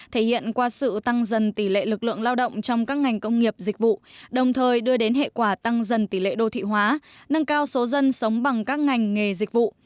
thể hiện qua sự tăng dần tỷ lệ lực lượng lao động trong các ngành công nghiệp dịch vụ đồng thời đưa đến hệ quả tăng dần tỷ lệ đô thị hóa nâng cao số dân sống bằng các ngành nghề dịch vụ